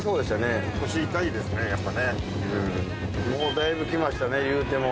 だいぶ来ましたねいうても。